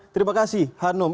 terima kasih hanum